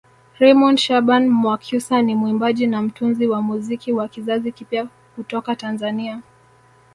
Raymond Shaban Mwakyusa ni mwimbaji na mtunzi wa muziki wa kizazi kipya kutoka Tanzania